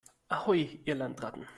Ahoi, ihr Landratten!